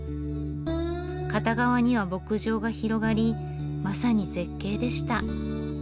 片側には牧場が広がりまさに絶景でした。